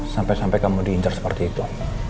sampai sampai kamu diincar seperti itu